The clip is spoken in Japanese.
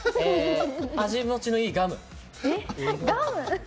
味もちのいいガム。